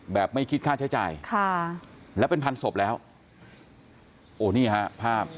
ไม่คิดค่าใช้จ่ายค่ะแล้วเป็นพันศพแล้วโอ้นี่ฮะภาพ